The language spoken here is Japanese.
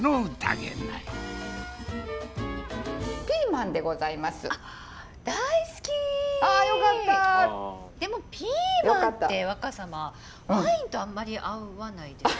でもピーマンって若さまワインとあんまり合わないですよね？